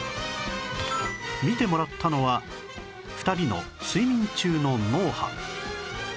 見てもらったのは２人の睡眠中の脳波